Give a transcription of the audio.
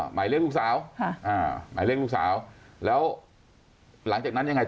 หมายเรียกลูกสาวหมายเรียกลูกสาวแล้วหลังจากนั้นยังไง